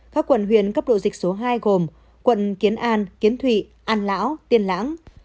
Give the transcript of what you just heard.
các quận huyện cấp độ dịch số hai gồm quận kiến an kiến thụy an lão tiên lãng